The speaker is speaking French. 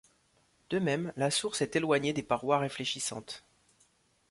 De même, la source est éloignée des parois réfléchissantes.